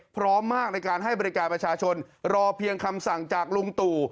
พร้อมมากในการให้บริการประชาชนรอเพียงคำสั่งจากลุงตู่